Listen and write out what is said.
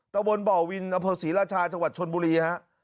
ตะบนบ่อวินอำเภอศรีราชาจังหวัดชนบุรีฮะ